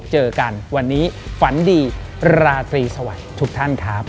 เจอกันวันนี้ฝันดีราตรีสวัสดีทุกท่านครับ